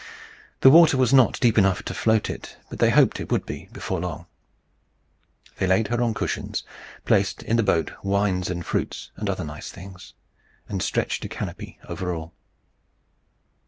The water was not deep enough to float it, but they hoped it would be, before long. They laid her on cushions, placed in the boat wines and fruits and other nice things, and stretched a canopy over all.